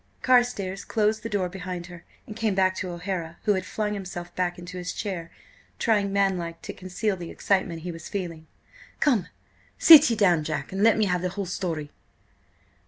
Carstares closed the door behind her and came back to O'Hara, who had flung himself back into his chair, trying, manlike, to conceal the excitement he was feeling. "Come, sit ye down, Jack, and let me have the whole story!"